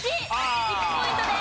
１ポイントです。